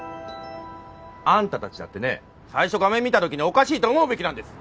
あんたたちだってね最初画面みたときにおかしいって思うべきなんです。